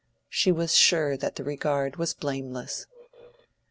She was sure that the regard was blameless.